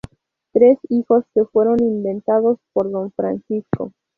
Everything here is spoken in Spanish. Tres hijos que fueron inventados por Don Francisco.